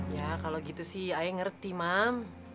ya kalau gitu sih ayah ngerti mam